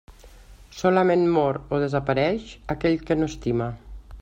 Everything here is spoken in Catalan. Solament «mor» o «desapareix» aquell que no estima.